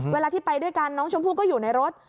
เวลาที่ไปด้วยกันน้องชมพู่ก็อยู่ในรถ